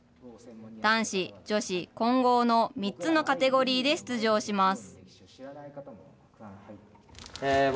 男子、女子、混合の３つのカテゴリーで出場します。